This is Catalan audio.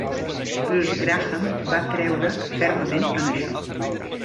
Bruce Graham va creure fermament en això.